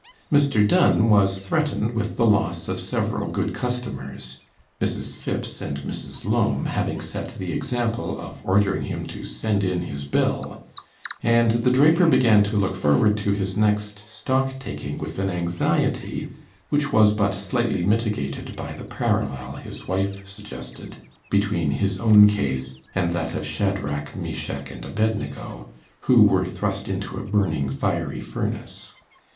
Mr. Dunn was threatened with the loss of several good customers, Mrs. Phipps and Mrs. Lowme having set the example of ordering him to send in his bill; and the draper began to look forward to his next stock taking with an anxiety which was but slightly mitigated by the parallel his wife suggested between his own case and that of Shadrach, Meshech, and Abednego, who were thrust into a burning fiery furnace.